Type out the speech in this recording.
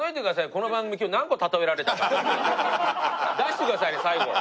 この番組出してくださいね最後。